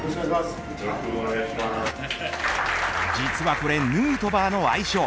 実はこれ、ヌートバーの愛称。